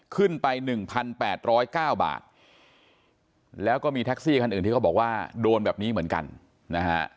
ขึ้นไป๑๘๐๙บาทแล้วก็มีแท็กซี่คันอื่นที่เขาบอกว่าโดนแบบนี้เหมือนกันนะฮะ